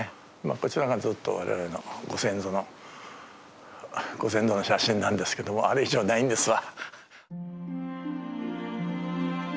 こちらがずっと我々のご先祖の写真なんですけどもあれ以上ないんですわ。